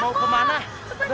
mau kemana dan mana